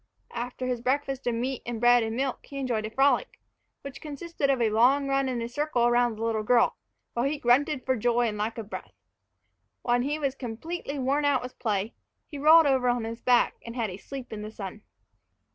After his breakfast of meat and bread and milk he enjoyed a frolic, which consisted of a long run in a circle about the little girl, while he grunted for joy and lack of breath. When he was completely worn out with play, he rolled over on his back and had a sleep in the sun.